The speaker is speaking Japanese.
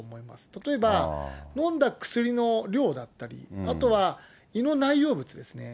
例えば飲んだ薬の量だったり、あとは胃の内容物ですね。